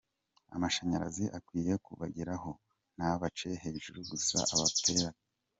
Amashanyarazi akwiye kubageraho, ntabace hejuru gusa abapepera.